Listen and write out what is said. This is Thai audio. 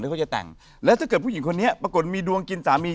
เขาจะแต่งแล้วถ้าเกิดผู้หญิงคนนี้ปรากฏมีดวงกินสามี